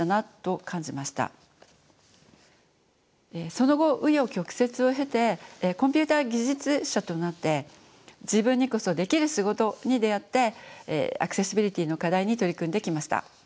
その後紆余曲折を経てコンピューター技術者となって自分にこそできる仕事に出会ってアクセシビリティーの課題に取り組んできました。